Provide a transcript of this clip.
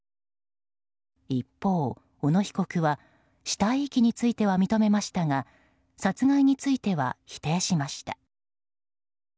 一方、小野被告は死体遺棄については認めましたが殺害については否定しました。